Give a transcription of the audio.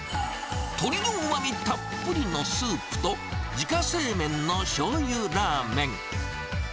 鳥のうまみたっぷりのスープと、自家製麺のしょうゆラーメン。